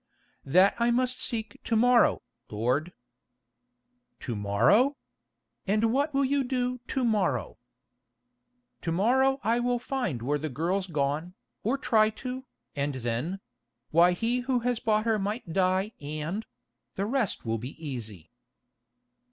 "That I must seek to morrow, lord." "To morrow? And what will you do to morrow?" "To morrow I will find where the girl's gone, or try to, and then—why he who has bought her might die and—the rest will be easy."